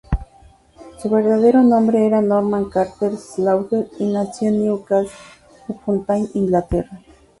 Su verdadero nombre era Norman Carter Slaughter, y nació en Newcastle upon Tyne, Inglaterra.